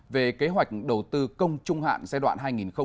về kế hoạch đầu tư công trung hạn giai đoạn hai nghìn hai mươi một hai nghìn hai mươi